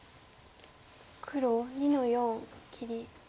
黒２の四切り。